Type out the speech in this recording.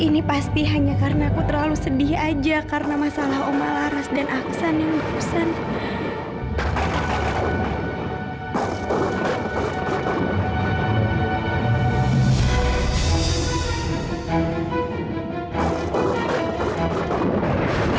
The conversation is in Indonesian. ini pasti hanya karena aku terlalu sedih aja karena masalah oma laras dan akusan yang pesan